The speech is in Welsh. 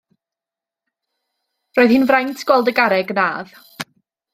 Roedd hi'n fraint gweld y garreg nadd.